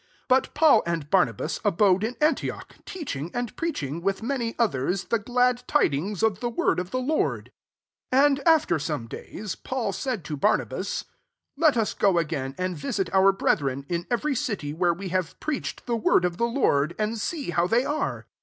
'] 35 But Paul and Barnabas abode in Antioch, teaching and preaching, with many others, the glad tidings of the word of the Lord. 36 And after some days, Paul said to Barnabas, " Let us go agadn, and visit our brethren, in every city where we have preached the word of the Lord, and see how they are.'